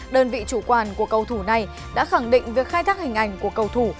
đơn vị chủ quản của cầu thủ này đã khẳng định việc khai thác hình ảnh của cầu thủ